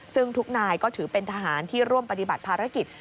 ซึ่งทุกนายก็ถือเป็นทหารที่ร่วมปฏิบัติภารกิจ